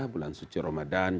bulan suci romadanya